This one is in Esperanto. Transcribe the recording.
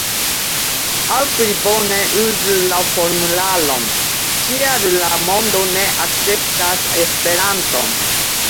Aŭ pli bone uzu la formularon: Kial la mondo ne akceptas Esperanton?